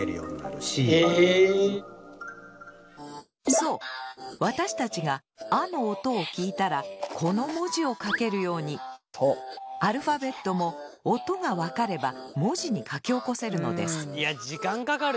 そう私たちが「あ」の音を聞いたらこの文字を書けるようにアルファベットも音が分かれば文字に書き起こせるのです。